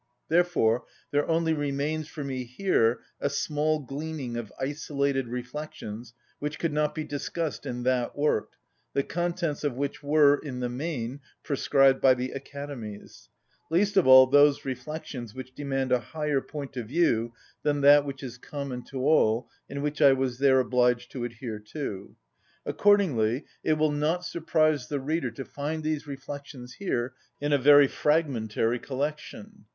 Therefore there only remains for me here a small gleaning of isolated reflections which could not be discussed in that work, the contents of which were, in the main, prescribed by the Academies; least of all those reflections which demand a higher point of view than that which is common to all, and which I was there obliged to adhere to. Accordingly it will not surprise the reader to find these reflections here in a very fragmentary collection.